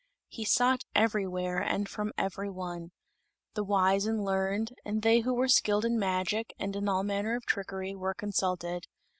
He sought everywhere and from every one. The wise and learned, and they who were skilled in magic and in all manner of trickery, were consulted.